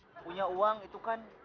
punya uang itu kan